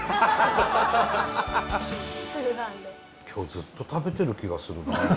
今日ずっと食べてる気がするな。